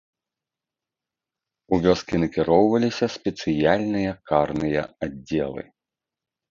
У вёскі накіроўваліся спецыяльныя карныя аддзелы.